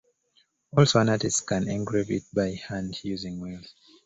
Also an artist can engrave it by hand using wheels.